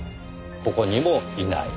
ここにもいない。